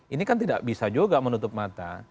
ini kan tidak bisa juga menutup mata